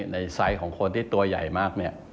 ในสายของคนที่ตัวใหญ่มาก